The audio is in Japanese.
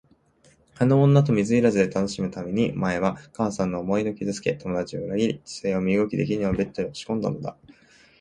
あの女と水入らずで楽しむために、お前はお母さんの思い出を傷つけ、友だちを裏切り、父親を身動きできぬようにベッドへ押しこんだのだ。